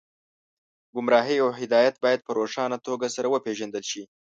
ګمراهي او هدایت باید په روښانه توګه سره وپېژندل شي